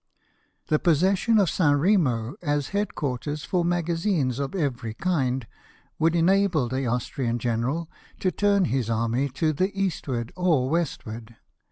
The possession ST, MEMO. 87 of St. Kemo as headquarters for magazines of every kind would enable the Austrian general to turn his army to the eastward or westward.